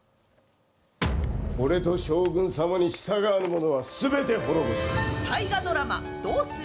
俺と将軍様に従うものはすべて滅ぼす。